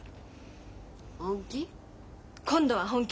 本気？